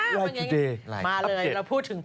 มาเลยเราพูดถึงไป